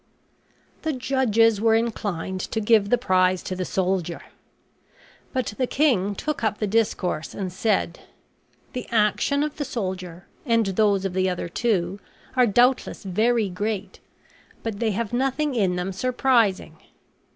The judges were inclined to give the prize to the soldier. But the king took up the discourse and said: "The action of the soldier, and those of the other two, are doubtless very great, but they have nothing in them surprising.